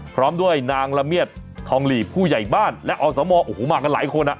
พร้อมด้วยนางละเมียดทองหลีผู้ใหญ่บ้านและอสมโอ้โหมากันหลายคนอ่ะ